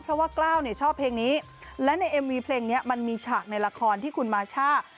เพราะว่ากล้าวเนี่ยชอบเพลงนี้และในเอ็มวีเพลงนี้มันมีฉากในละครที่คุณมาช่า